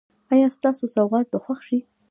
ایا ستاسو سوغات به خوښ شي؟